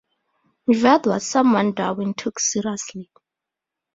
Mivart was someone Darwin took seriously.